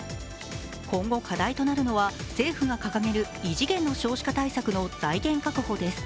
今後、課題となるのは政府が掲げる異次元の少子化対策の財源確保です。